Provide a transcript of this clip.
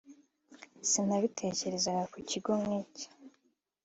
sinabitekerezaga ku kigo nk’iki